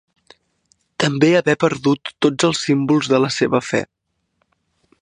Temé haver perdut tots els símbols de la seva fe.